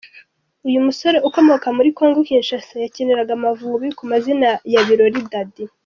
Uyu musore ukomoka muri Congo-Kinshasa yakiniraga Amavubi ku mazina ya Birori Daddy.